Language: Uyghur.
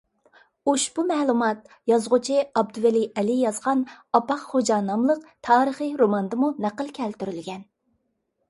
ئۇشبۇ مەلۇمات، يازغۇچى ئابدۇۋەلى ئەلى يازغان «ئاپاق خوجا» ناملىق تارىخىي روماندىمۇ نەقىل كەلتۈرۈلگەن.